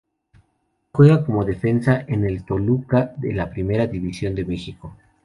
Juega como Defensa en el Toluca de la Primera División de Mexico.